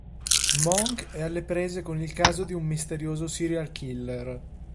Monk è alle prese con il caso di un misterioso serial killer.